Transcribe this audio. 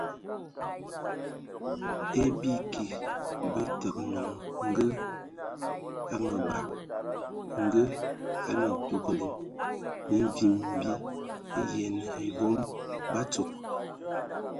E bi kig bə tə nɔŋ ngə a məbad, ngə a mintugəlɛn, mi mvim bi ayiɛnə e vom bə atsog.